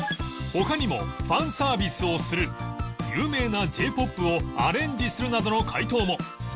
他にもファンサービスをする有名な Ｊ−ＰＯＰ をアレンジするなどの解答も